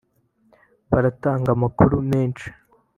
baratanga amakuru menshi